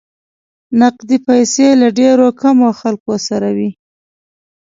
نقدې پیسې له ډېرو کمو خلکو سره وې.